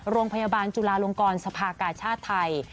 โรงพยาบาลจุลาลงกรสภากาชาติไทย